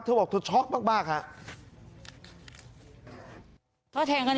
เธอบอกเธอช็อคมากค่ะ